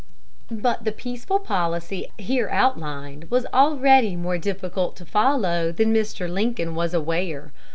But the peaceful policy here outlined was already more difficult to follow than Mr. Lincoln was aware.